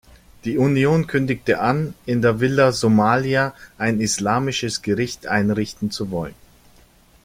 Die Union kündigte an, in der Villa Somalia ein islamisches Gericht einrichten zu wollen.